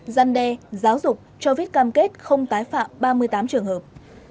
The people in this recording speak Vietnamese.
gian đe giáo dục cho viết cam kết không tái phạm ba mươi tám trường hợp